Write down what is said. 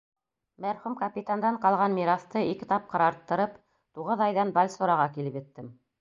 Мәрхүм капитандан ҡалған мираҫты ике тапҡыр арттырып, туғыҙ айҙан Бальсораға килеп еттем.